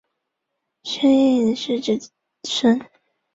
也是史上首位乐团或组合出身的个人歌手连续四个年代。